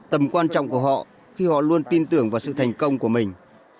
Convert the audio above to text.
tầm quan trọng của họ khi họ luôn tin tưởng vào sự thành công của mình